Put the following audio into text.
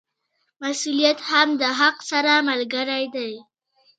مسوولیت هم د حق سره ملګری دی.